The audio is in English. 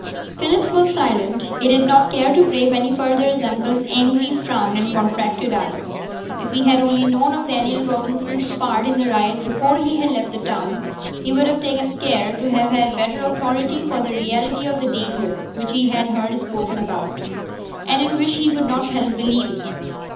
Philip was silent. He did not care to brave any further his uncle's angry frown and contracted eye. If he had only known of Daniel Robson's part in the riot before he had left the town, he would have taken care to have had better authority for the reality of the danger which he had heard spoken about, and in which he could not help believing.